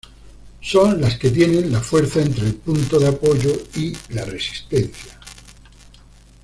Son las que tienen la fuerza entre el punto de apoyo y la resistencia.